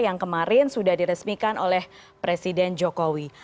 yang kemarin sudah diresmikan oleh presiden jokowi